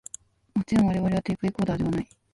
もちろん我々はテープレコーダーではない